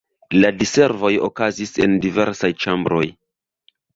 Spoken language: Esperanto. La diservoj okazis en diversaj ĉambroj.